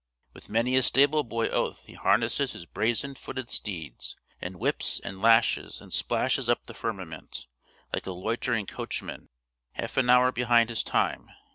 With many a stable boy oath he harnesses his brazen footed steeds, and whips, and lashes, and splashes up the firmament, like a loitering coachman, half an hour behind his time.